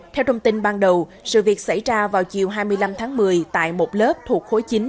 theo thông tin ban đầu sự việc xảy ra vào chiều hai mươi năm tháng một mươi tại một lớp thuộc khối chín